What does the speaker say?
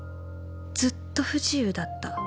「ずっと不自由だった。